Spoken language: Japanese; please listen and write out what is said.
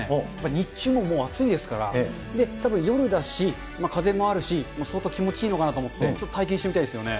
日中ももう暑いですから、たぶん夜だし、風もあるし、相当気持ちいいのかなと思って、体験してみたいですよね。